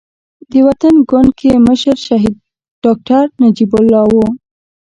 د وطن ګوند کې مشر شهيد ډاکټر نجيب الله وو.